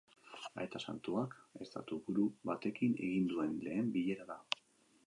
Aita santuak estatuburu batekin egin duen lehen bilera da.